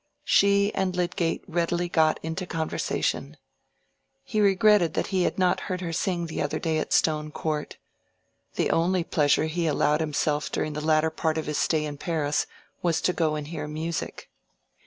She and Lydgate readily got into conversation. He regretted that he had not heard her sing the other day at Stone Court. The only pleasure he allowed himself during the latter part of his stay in Paris was to go and hear music.